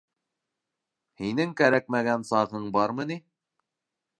- Һинең кәрәкмәгән сағың бармы ни?